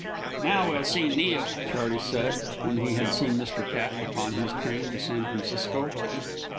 "Now we'll see Neil," Charley said, when he had seen Mr. Taft upon his train to San Francisco.